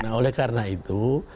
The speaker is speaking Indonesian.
nah oleh karena itu